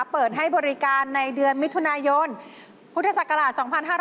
เปิดให้บริการในเดือนมิถุนายนพศ๒๕๓๘นะครับ